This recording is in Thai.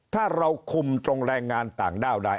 ถ้าเราคุมตรงแรงงานต่างด้าวได้